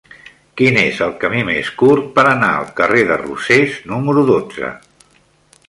Quin és el camí més curt per anar al carrer de Rosés número dotze?